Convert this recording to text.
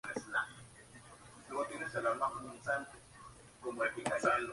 Analista sutil y elevado lirismo.